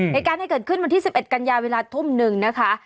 ในการให้เกิดขึ้นวันที่๑๑กันยาวิราตร์ทุ่มหนึ่งนะคะ